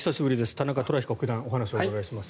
田中寅彦九段お話をお願いします。